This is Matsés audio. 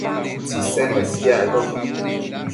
Tsisen uesquiaccosh